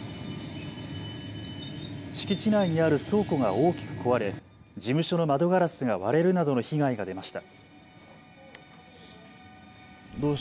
敷地内にある倉庫が大きく壊れ事務所の窓ガラスが割れるなどの被害が出ました。